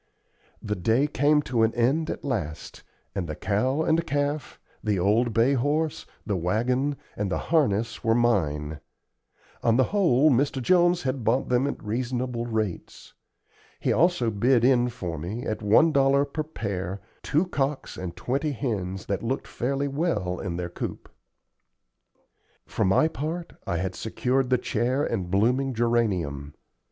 The day came to an end at last, and the cow and calf, the old bay horse, the wagon, and the harness were mine. On the whole, Mr. Jones had bought them at reasonable rates. He also bid in for me, at one dollar per pair, two cocks and twenty hens that looked fairly well in their coop. For my part, I had secured the chair and blooming geranium.